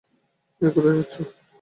এই, কোথায় যাচ্ছো?